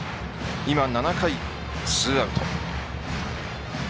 今は７回、ツーアウト。